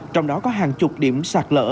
trong đó có hàng chục điểm sạc lỡ